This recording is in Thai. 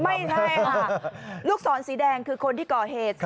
ไม่ใช่ค่ะลูกศรสีแดงคือคนที่ก่อเหตุ